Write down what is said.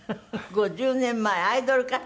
５０年前アイドル歌手。